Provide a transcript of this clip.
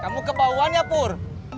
kamu kebauan ya pur